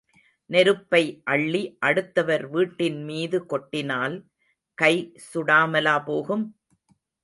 நெருப்பை அள்ளி அடுத்தவர் வீட்டின் மீது கொட்டினால் கை சுடாமலா போகும்?